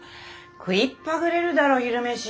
食いっぱぐれるだろ昼飯。